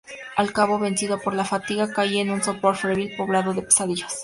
al cabo, vencido por la fatiga, caí en un sopor febril, poblado de pesadillas.